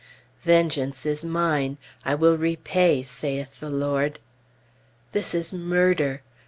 "Vengeance is mine; I will repay, saith the Lord." This is murder!